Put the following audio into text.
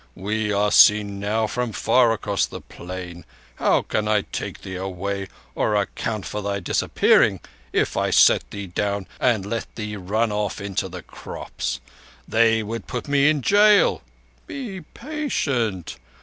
We are seen now from far across this plain. How can I take thee away, or account for thy disappearing if I set thee down and let thee run off into the crops? They would put me in jail. Be patient.